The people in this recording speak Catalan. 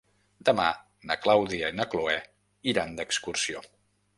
Demà na Clàudia i na Cloè iran d'excursió.